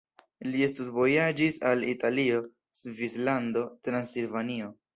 Li studvojaĝis al Italio, Svislando, Transilvanio.